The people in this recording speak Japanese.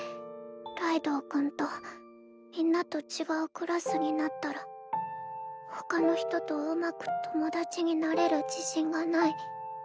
ライドウ君とみんなと違うクラスになったらほかの人とうまく友達になれる自信がない。